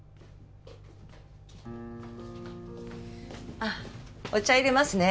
あっお茶入れますね